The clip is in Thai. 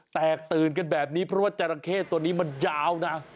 แตกตื่นกันแบบนี้เพราะว่าจราเข้ตัวนี้มันยาวนะ